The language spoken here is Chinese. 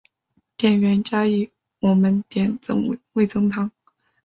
店员建议我们点味噌汤